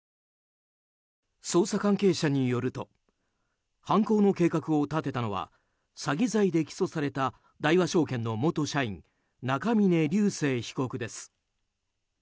捜査関係者によると犯行の計画を立てたのは詐欺罪で起訴された大和証券の元社員中峯被告です。